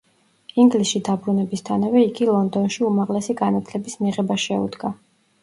ინგლისში დაბრუნებისთანავე იგი ლონდონში უმაღლესი განათლების მიღებას შეუდგა.